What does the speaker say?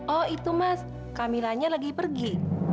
oh itu mas camilannya lagi pergi